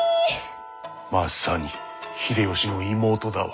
まさに秀吉の妹だわ。